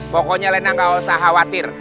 pokoknya lena gak usah khawatir